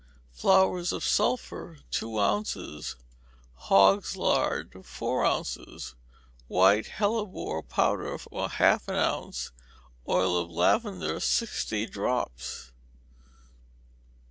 Flowers of sulphur, two ounces; hog's lard, four ounces; white hellebore powder, half an ounce: oil of lavender, sixty drops.